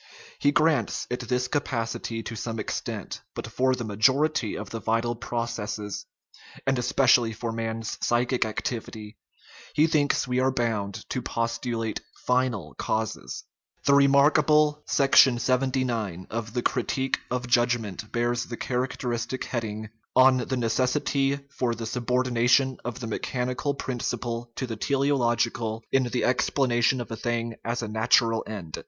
He grants it this capacity to some extent ; but for the majority of the vital processes (and especially for man's psychic activity) he thinks we are bound to postulate final causes. The remarkable 79 of the critique of judgment bears the character istic heading :" On the Necessity for the Subordi nation of the Mechanical Principle to the Teleological 259 THE RIDDLE OF THE UNIVERSE in the Explanation of a Thing as a Natural End."